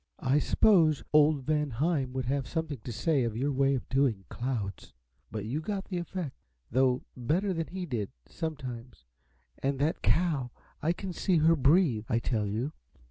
"I suppose old Von Heim would have something to say of your way of doing clouds but you got the effect, though better than he did, sometimes. And that cow I can see her breathe, I tell you!